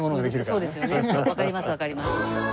わかりますわかります。